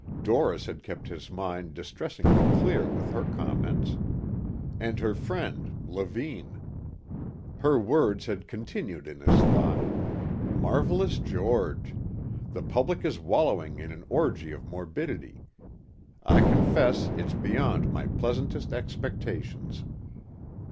Doris had kept his mind distressingly clear with her comments. And her friend, Levine. Her words had continued in his thought ... "marvelous, George. The public is wallowing in an orgy of morbidity. I confess, it's beyond my pleasantest expectations...."